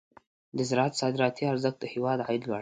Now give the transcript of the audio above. د زراعت صادراتي ارزښت د هېواد عاید لوړوي.